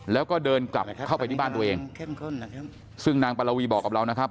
แล้วก็เดินกลับเข้าไปที่บ้านตัวเองซึ่งนางปรวีบอกกับเรานะครับ